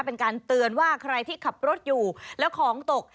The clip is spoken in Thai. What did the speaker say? เป็นการเตือนว่าใครที่ขับรถอยู่แล้วของตก